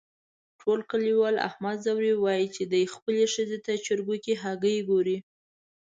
ټول کلیوال احمد ځوروي، وایي چې دی خپلې ښځې ته چرگو کې هگۍ گوري.